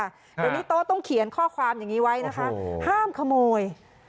เดี๋ยวนี้โต๊ะต้องเขียนข้อความอย่างนี้ไว้นะคะห้ามขโมย